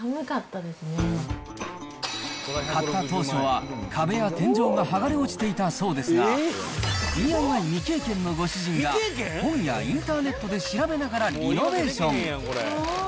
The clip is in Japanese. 買った当初は、壁や天井が剥がれ落ちていたそうですが、ＤＩＹ未経験のご主人が、本やインターネットで調べながらリノベーション。